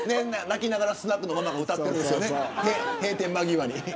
泣きながらスナックのママが歌ってるんですよ、閉店間際に。